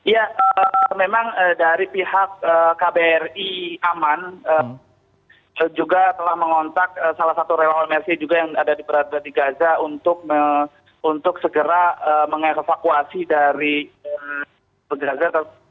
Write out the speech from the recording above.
ya memang dari pihak kbri aman juga telah mengontak salah satu relawan mersi juga yang ada berada di gaza untuk segera mengevakuasi dari gaza